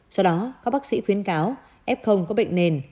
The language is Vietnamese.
do đó các bác sĩ khuyến cáo f có bệnh nền